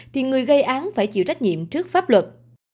thì người gây án phải chịu trách nhiệm trước pháp luật